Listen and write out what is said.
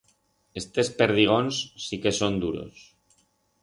Estes perdigons sí que son duros.